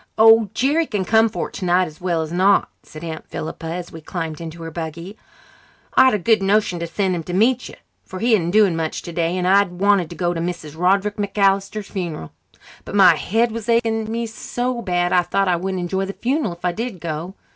"Oh, Jerry can come for it tonight as well as not," said Aunt Philippa, as we climbed into her buggy. "I'd a good notion to send him to meet you, for he isn't doing much today, and I wanted to go to Mrs. Roderick MacAllister's funeral. But my head was aching me so bad I thought I wouldn't enjoy the funeral if I did go.